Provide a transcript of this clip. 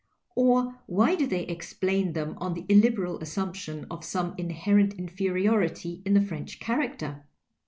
Or why do they explain them on the illiberal assumption of some inherent inferiority in the French character